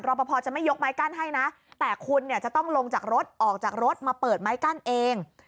ปภจะไม่ยกไม้กั้นให้นะแต่คุณเนี่ยจะต้องลงจากรถออกจากรถมาเปิดไม้กั้นเอง